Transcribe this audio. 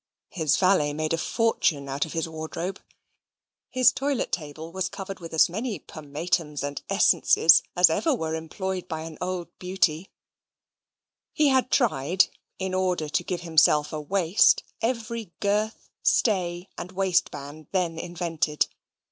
His valet made a fortune out of his wardrobe: his toilet table was covered with as many pomatums and essences as ever were employed by an old beauty: he had tried, in order to give himself a waist, every girth, stay, and waistband then invented.